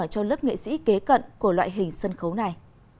cho lớp nghệ sĩ kế cận của loại hình sân khấu này